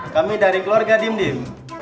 kami dari keluarga dim dim